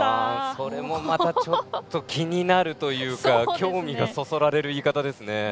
それもまたちょっと気になるというか興味がそそられる感じですね。